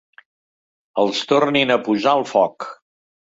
Els tornin a posar al foc.